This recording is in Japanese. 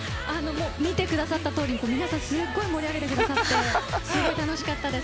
見てくださったとおり皆さん、すごい盛り上げてくださってすごい楽しかったです。